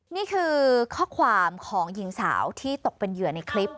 นี่คือข้อความของหญิงสาวที่ตกเป็นเหยื่อในคลิป